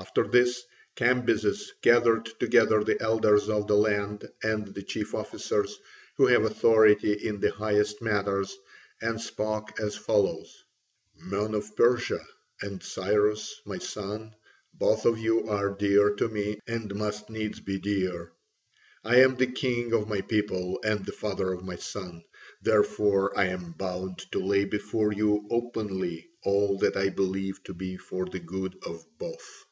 After this Cambyses gathered together the elders of the land and the chief officers, who have authority in the highest matters, and spoke as follows: "Men of Persia, and Cyrus, my son, both of you are dear to me and must needs be dear; I am the king of my people and the father of my son; therefore I am bound to lay before you openly all that I believe to be for the good of both.